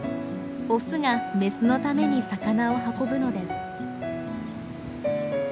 オスがメスのために魚を運ぶのです。